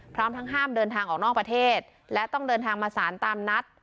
พร้อมทั้งห้ามเดินทางออกนอกประเทศและต้องเดินทางมาสารตามนัด